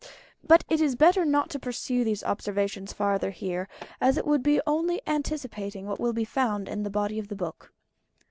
But it is better not to pursue these observations farther here, as it would be only anticipating what will be found in the body of the book.